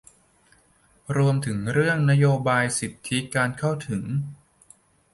รวมถึงเรื่องนโยบายสิทธิการเข้าถึง